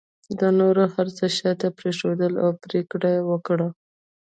ده نور هر څه شاته پرېښودل او پرېکړه یې وکړه